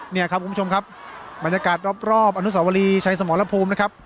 เนี่ยครับคุณผู้ชมครับบรรยากาศรอบอนุสาวรีชัยสมรภูมินะครับ